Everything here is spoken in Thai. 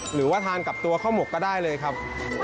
หรือว่าทานกับตัวข้าวหมกก็ได้เลยครับ